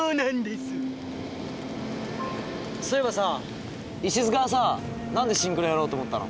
そういえばさ石塚はさ何でシンクロやろうと思ったの？